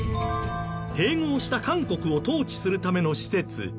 併合した韓国を統治するための施設